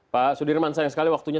pak sudirman sayang sekali waktunya